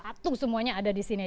patuh semuanya ada di sini